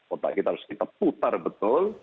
otak kita harus kita putar betul